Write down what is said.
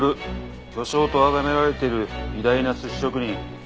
巨匠と崇められてる偉大な寿司職人。